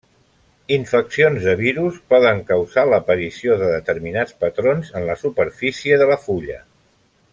Infeccions de virus poden causar l'aparició de determinats patrons en la superfície de la fulla.